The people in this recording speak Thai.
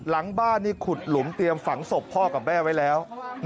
หลังบ้านนี่ขุดหลุมเตรียมฝังศพพ่อกับแม่ไว้แล้ว